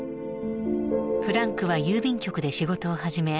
フランクは郵便局で仕事を始め